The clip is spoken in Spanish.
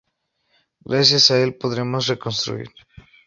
Gracias a el podremos reconstruir".